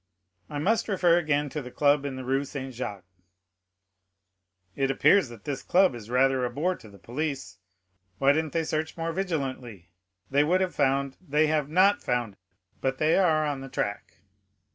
"I must refer again to the club in the Rue Saint Jacques." "It appears that this club is rather a bore to the police. Why didn't they search more vigilantly? they would have found——" "They have not found; but they are on the track."